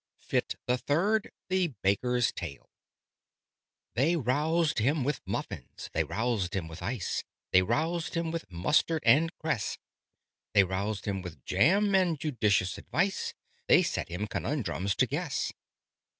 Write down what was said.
Fit the Third THE BAKER'S TALE They roused him with muffins they roused him with ice They roused him with mustard and cress They roused him with jam and judicious advice They set him conundrums to guess.